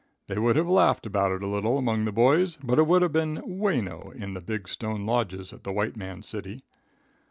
They would have laughed about it a little among the boys, but it would have been "wayno" in the big stone lodges at the white man's city.